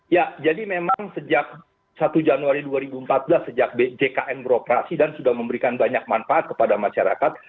ya jadi memang sejak satu januari dua ribu empat belas sejak jkn beroperasi dan sudah memberikan banyak manfaat kepada masyarakat